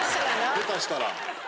下手したら。